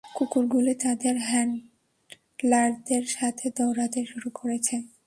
কুকুরগুলি তাদের হ্যান্ডলারদের সাথে দৌড়াতে শুরু করেছে।